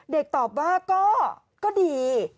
เด็กตอบว่าก็ดี